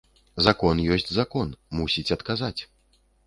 Закон ёсць закон, мусіць адказаць.